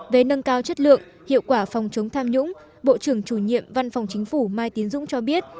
về nâng cao chất lượng hiệu quả phòng chống tham nhũng bộ trưởng chủ nhiệm văn phòng chính phủ mai tiến dũng cho biết